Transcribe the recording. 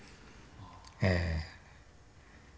ええ。